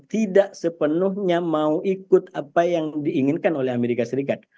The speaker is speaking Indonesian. tidak sepenuhnya mau ikut apa yang diinginkan oleh amerika serikat